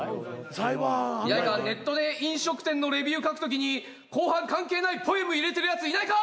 ネットで飲食店のレビュー書くときに後半関係ないポエム入れてるやついないか？